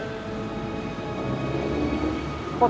aku pengen mencoba mencoba